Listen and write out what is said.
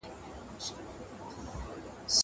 زه پرون د کتابتوننۍ سره وم!!